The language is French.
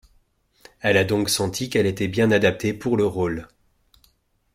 Elle a donc senti qu'elle était bien adaptée pour le rôle.